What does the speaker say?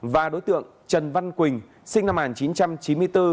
và đối tượng trần văn quỳnh sinh năm một nghìn chín trăm chín mươi bốn